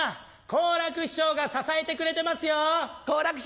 好楽師匠が支えてくれてますよ。